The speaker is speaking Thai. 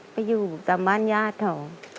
ไปอยู่ตามบ้านญาติเขา